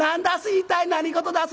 一体何事だす？」。